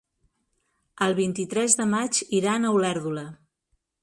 El vint-i-tres de maig iran a Olèrdola.